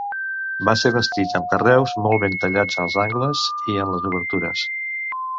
Va ser bastit amb carreus molt ben tallats als angles i en les obertures.